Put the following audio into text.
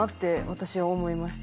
私は思いました。